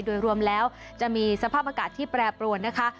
โดยรวมแล้วจะมีสภาพอากาศที่แปรปรวนนะคะ